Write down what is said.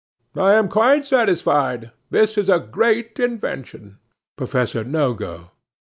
—I am quite satisfied. This is a great invention. 'PROFESSOR NOGO.